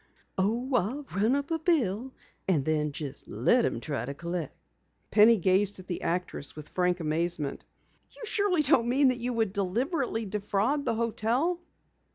"Oh, I'll run up a bill and then let them try to collect!" Penny gazed at the actress with frank amazement. "You surely don't mean you would deliberately defraud the hotel?"